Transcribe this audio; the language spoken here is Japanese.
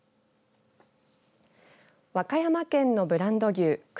和歌山県のブランド牛熊